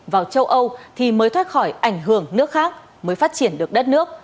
vào châu âu thì mới thoát khỏi ảnh hưởng nước khác mới phát triển được đất nước